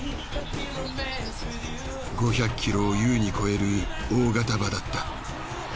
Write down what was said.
５００キロを優に超える大型馬だった。